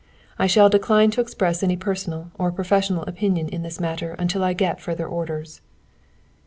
I shall decline to express any personal or professional opinion in this matter until I get further orders."